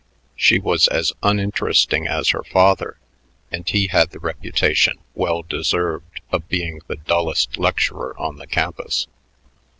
She was as uninteresting as her father, and he had the reputation, well deserved, of being the dullest lecturer on the campus.